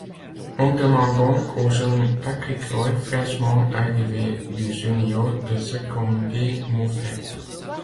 On demande donc au jeune Patrick Roy, fraîchement arrivé du junior, de seconder Moffett.